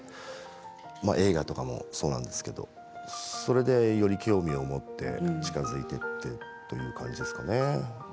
映画とかもそうなんですけど、それでより興味を持って近づいていってという感じですかね。